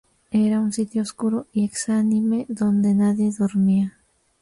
Era un sitio oscuro y exánime, donde nadie dormía.